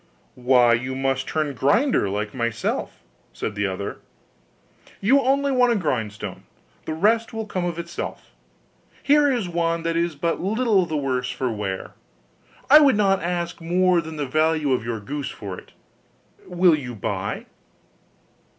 Why, you must turn grinder like myself,' said the other; 'you only want a grindstone; the rest will come of itself. Here is one that is but little the worse for wear: I would not ask more than the value of your goose for it will you buy?